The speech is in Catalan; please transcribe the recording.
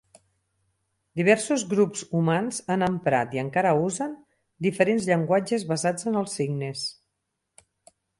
Diversos grups humans han emprat, i encara usen, diferents llenguatges basats en els signes.